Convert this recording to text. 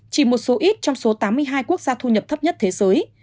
chỉ một số ít trong số tám mươi hai quốc gia thu nhập thấp nhất thế giới